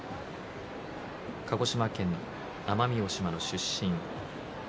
鹿児島県奄美大島の出身。